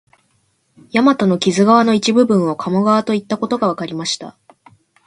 大和の木津川の一部分を鴨川といったことがわかりました